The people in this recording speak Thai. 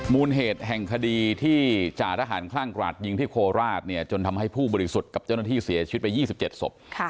มูลเหตุแห่งคดีที่จ่าทหารคลั่งกราดยิงที่โคราชเนี่ยจนทำให้ผู้บริสุทธิ์กับเจ้าหน้าที่เสียชีวิตไป๒๗ศพ